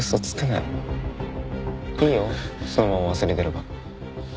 いいよそのまま忘れてれば。